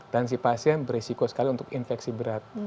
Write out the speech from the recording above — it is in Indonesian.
dan si pasien berisiko sekali untuk infeksi berat